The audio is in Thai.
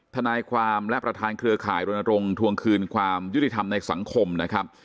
ทนายความและประธานเครือข่ายรณรงค์ทวงคืนความยุติธรรมในสังคมนะครับ